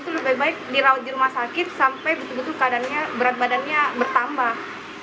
kalau sebaiknya kalau bagi kami itu lebih baik